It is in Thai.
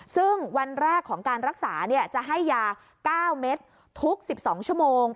ซึ่งวันแรกของการรักษาจะให้ยา๙เม็ดทุก๑๒ชั่วโมง